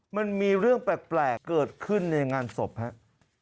มันมีเรื่องแปลกเกิดขึ้นในงานศพครับ